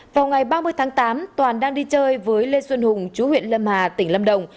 vào ngày ba mươi tháng tám toàn đang đi chơi với lê xuân hùng chú huyện lâm hà tỉnh lâm đồng